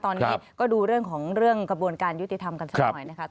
ตอนนี้ก็ดูเรื่องของเรื่องกระบวนการยุติธรรมกันสักหน่อยนะคะ